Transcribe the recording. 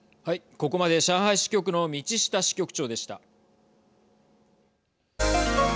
ここまで上海支局の道下支局長でした。